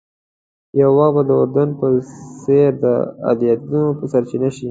یو وخت به د اردن په څېر د عایداتو سرچینه شي.